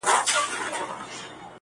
د مېږیانو وې جرګې او مجلسونه.!